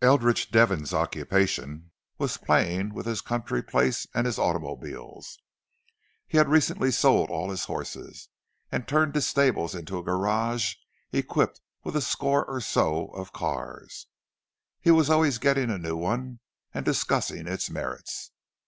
Eldridge Devon's occupation was playing with his country place and his automobiles. He had recently sold all his horses, and turned his stables into a garage equipped with a score or so of cars; he was always getting a new one, and discussing its merits.